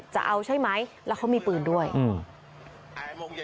จะเอาใช่ไหมแล้วเขามีปืนด้วยอืม